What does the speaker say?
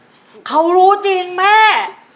เขารู้เขารู้จริงแม่